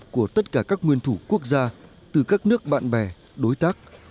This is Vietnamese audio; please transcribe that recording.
của tất cả các nguyên thủ quốc gia từ các nước bạn bè đối tác